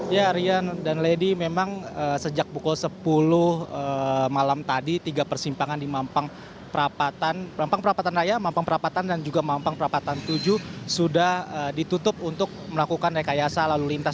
ya rian dan lady memang sejak pukul sepuluh malam tadi tiga persimpangan di mampang perapatan raya mampang perapatan dan juga mampang perapatan tujuh sudah ditutup untuk melakukan rekayasa lalu lintas